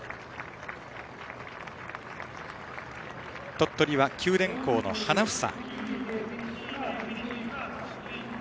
鳥取は九電工の花房。